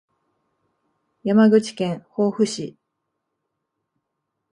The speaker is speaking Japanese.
山口県防府市